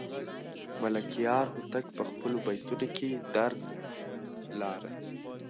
ملکیار هوتک په خپلو بیتونو کې درد لاره.